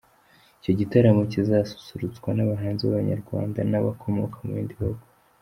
Icyo gitaramo kizasusurutswa n’abahanzi b’Abanyarwanda n’ abakomoka mu bindi bihugu.